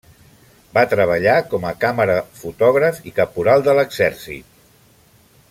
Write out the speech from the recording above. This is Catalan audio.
Va treballar com a càmera, fotògraf i caporal de l'exèrcit.